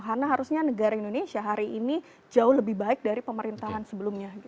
karena harusnya negara indonesia hari ini jauh lebih baik dari pemerintahan sebelumnya